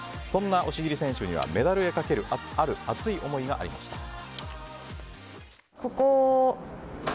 そんな押切選手にはメダルにかけるある熱い思いがありました。